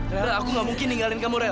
rael aku gak mungkin tinggalin kamu rael